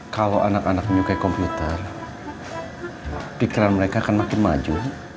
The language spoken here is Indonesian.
kalau anak anak menyukai komputer pikiran mereka akan makin maju